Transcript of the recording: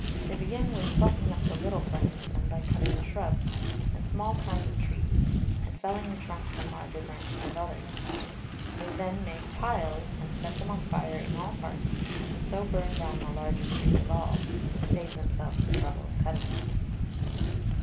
They begin with plucking up the little Plants, and by cutting the Shrubs, and small kinds of Trees, and felling the Trunks and larger Branches of others; they then make Piles, and set them on fire in all Parts, and so burn down the largest Trees of all, to save themselves the trouble of cutting them.